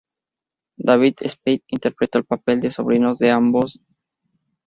David Spade interpretó el papel de sobrino de ambos.